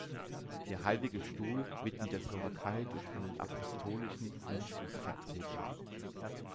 Der Heilige Stuhl wird in der Slowakei durch einen Apostolischen Nuntius vertreten.